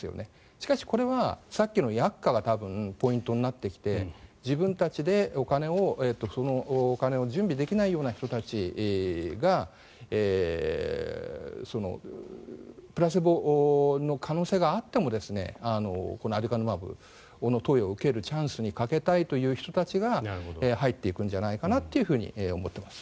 しかしこれは、さっきの薬価がポイントになってきて自分たちでお金を準備できないような人たちがプラセボの可能性があってもこのアデュカヌマブの投与を受けるチャンスにかけたいという人たちが入っていくんじゃないかなと思っています。